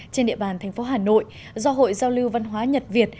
trên địa bàn thành phố hà nội do hội giao lưu văn hóa nhật việt